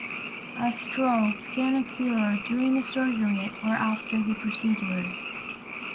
A stroke can occur during surgery or after the procedure.